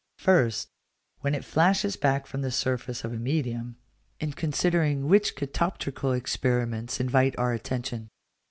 First, when it flashes back from the surface of a medium; in considering which catoptrical experiments invite our attention.